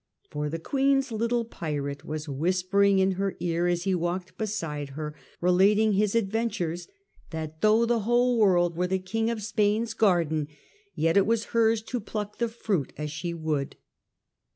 For the Queen's little pirate was whisper ing in her ear, as he walked beside her relating his adventures, that though the whole world were the King of Spain's garden, yet it was hers to pluck the fruit as she would.